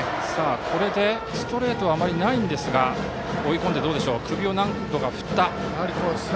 これでストレートはあまりないんですが追い込んで、どうか。